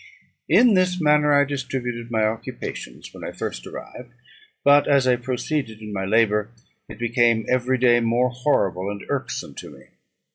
In this manner I distributed my occupations when I first arrived; but, as I proceeded in my labour, it became every day more horrible and irksome to me.